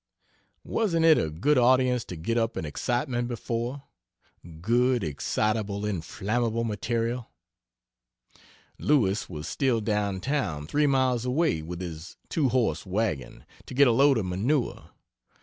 Wasn't it a good audience to get up an excitement before? Good excitable, inflammable material? Lewis was still down town, three miles away, with his two horse wagon, to get a load of manure.